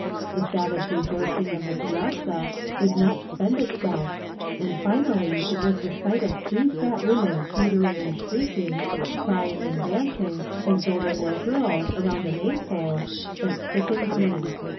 The savage rejoicing of the piazza would not spend itself, and finally it was the sight of three fat women teetering and shrieking, crying and dancing, as though they were girls, around a May pole, that sickened me.